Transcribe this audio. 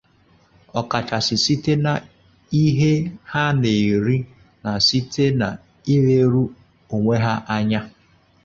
ọkachasị site n'ihe ha na-eri na site n'ileru onwe ha anya